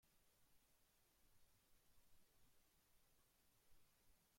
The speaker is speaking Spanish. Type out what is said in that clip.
Son muy aficionados a la pelea de gallos.